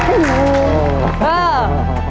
โอ้โหไม่รู้